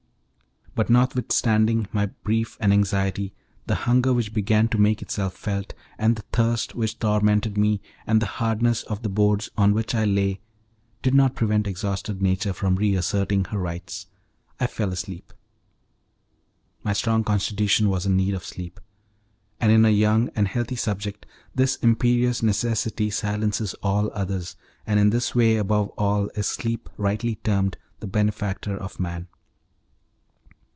But notwithstanding my brief and anxiety, the hunger which began to make itself felt, and the thirst which tormented me, and the hardness of the boards on which I lay, did not prevent exhausted nature from reasserting her rights; I fell asleep. My strong constitution was in need of sleep; and in a young and healthy subject this imperious necessity silences all others, and in this way above all is sleep rightly termed the benefactor of man.